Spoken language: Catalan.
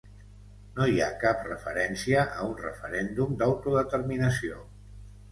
No hi ha cap referència a un referèndum d’autodeterminació.